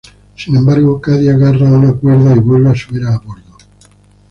Sin embargo, Cady agarra una cuerda y vuelve a subir a bordo.